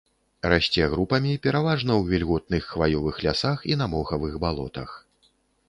Расце групамі, пераважна ў вільготных хваёвых лясах і на мохавых балотах.